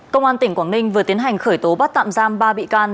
công an tỉnh quảng ninh vừa tiến hành khởi tố bắt tạm giam ba bị can